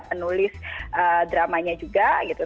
penulis dramanya juga gitu